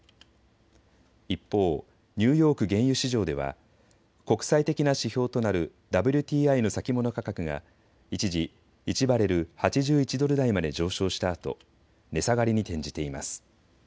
一方、ニューヨーク原油市場では国際的な指標となるＷＴＩの先物価格が一時１バレル８１ドル台まで上昇したあと値下がりに転じています。